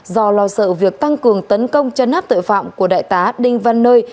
do lo sợ việc tăng cường tấn công chân nắp tội phạm của đại tá đinh văn nơi